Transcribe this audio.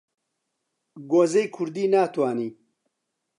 گۆزەی کوردی ناتوانی